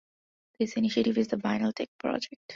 This initiative is the Binaltech Project.